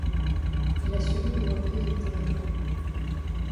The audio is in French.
Il a subi deux reprises ultérieures.